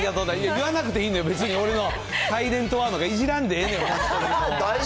言わなくていいんだよ、別に俺のサイレントわおとか、いじらんでええねん。